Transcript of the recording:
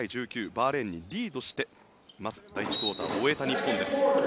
バーレーンにリードしてまず第１クオーターを終えた日本です。